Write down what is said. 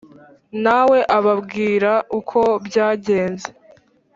nawe ababwira uko byagenze